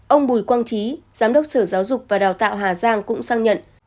ông bùi quang trí giám đốc sở giáo dục và đào tạo hà giang cũng xác nhận